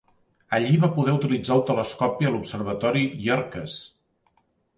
Allí va poder utilitzar el telescopi a l'Observatori Yerkes.